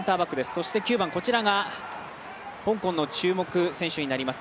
そして９番、こちらが香港の注目選手になります